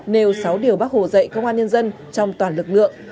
nêu sáu điều bác hồ dạy công an nhân dân trong toàn lực lượng